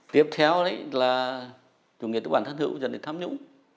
tiếp theo là chủ nghĩa tư bản thân hữu dẫn đến tham nhũng